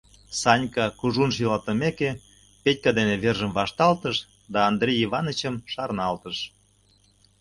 Санька, кужун шӱлалтымек, Петька дене вержым вашталтыш да Андрей Иванычым шарналтыш.